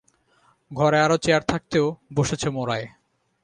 ঘরে আরো চেয়ার থাকতেও বসেছে মোড়ায়।